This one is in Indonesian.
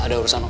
ada urusan om